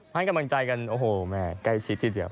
ให้กำลังใจกันโอ้โหแม่ใกล้ชิดทีเดียว